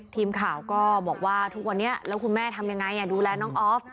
ทีมข่าวก็บอกว่าทุกวันนี้แล้วคุณแม่ทำยังไงดูแลน้องออฟ